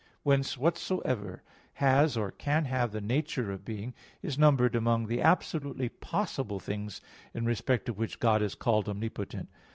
Whence, whatsoever has or can have the nature of being, is numbered among the absolutely possible things, in respect of which God is called omnipotent.